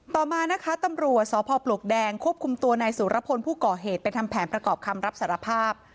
ต่อมานะคะตำรวจสพปลวกแดงควบคุมตัวนายสุรพลผู้ก่อเหตุไปทำแผนประกอบคำรับสารภาพ